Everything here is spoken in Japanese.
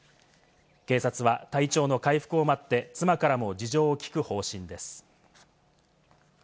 警察は体調の回復を待って、妻からも事情を聞く方針です。